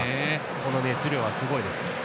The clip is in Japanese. この熱量はすごいです。